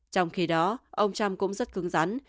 trong khi đó ông trump cũng rất cứng rắn